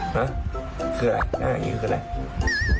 ห้ะคืออะไรหน้าอย่างนี้คืออะไร